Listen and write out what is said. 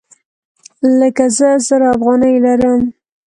لکه زه زر افغانۍ لرم